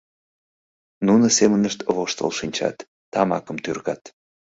Нуно семынышт воштыл шинчат, тамакым тӱргат.